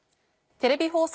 テレビ放送